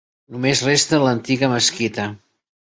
Només resta l'antiga mesquita.